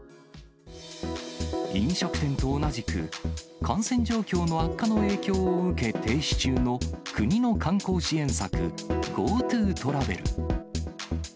飲食店と同じく、感染状況の悪化の影響を受け、停止中の国の観光支援策、ＧｏＴｏトラベル。